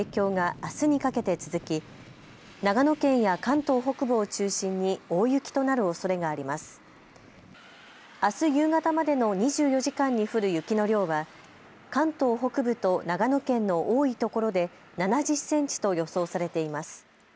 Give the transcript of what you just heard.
あす夕方までの２４時間に降る雪の量は関東北部と長野県の多いところで７０センチと予想されています。